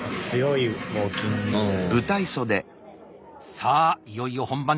さあいよいよ本番直前。